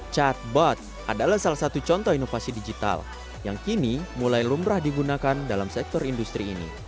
chatbot adalah salah satu contoh inovasi digital yang kini mulai lumrah digunakan dalam sektor industri ini